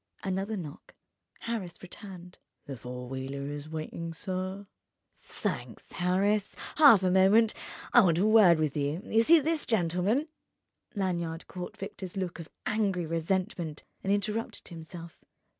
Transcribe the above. Another knock: Harris returned. "The four wheeler is w'iting, sir." "Thanks, Harris. Half a moment: I want a word with you. You see this gentleman?" Lanyard caught Victor's look of angry resentment and interrupted himself.